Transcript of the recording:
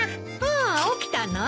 あっ起きたの？